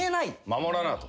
「守らな」と。